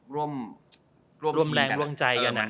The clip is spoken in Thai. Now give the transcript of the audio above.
ร่วมแรงร่วมใจกัน